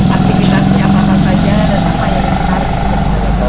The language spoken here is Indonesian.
aktivitasnya apa apa saja dan apa yang menarik